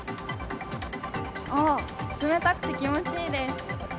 ああ、冷たくて気持ちいいです。